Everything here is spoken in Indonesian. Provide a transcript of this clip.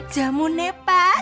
jauh nih pak